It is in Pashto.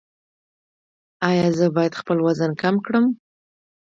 ایا زه باید خپل وزن کم کړم؟